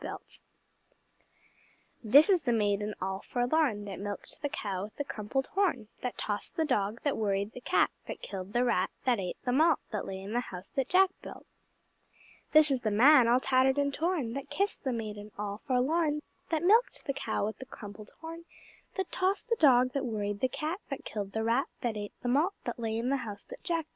This is the Maiden all forlorn, That milked the Cow with the crumpled horn, That tossed the Dog, That worried the Cat, That killed the Rat, That ate the Malt, That lay in the House that Jack built. This is the Man all tattered and torn, That kissed the Maiden all forlorn, That milked the Cow with the crumpled horn, That tossed the Dog, That worried the Cat, That killed the Rat, That ate the Malt, That lay in the House that Jack built.